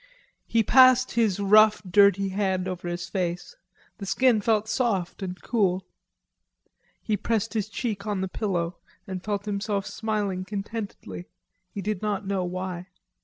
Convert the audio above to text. He passed his rough dirty, hand over his face. The skin felt soft and cool. He pressed his cheek on the pillow and felt himself smiling contentedly, he did not know why.